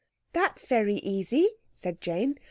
"That's very easy," said Jane.